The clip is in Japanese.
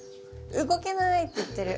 「動けない」って言ってる。